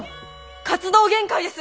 活動限界です。